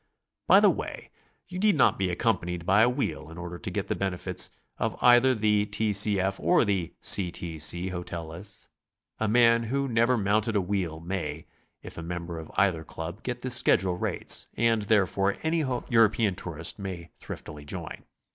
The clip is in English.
Bv the way, you need not be accompanied by a wheel in order to get the benefits of either the T, Ci F, or the Ct T. C» BICYCLE TOURING. 93 hotel lists. A man who never mounted a wheel may, if a meml)er of either Club, get the schedule rates, and, there fore, any European tourist may thriftily join.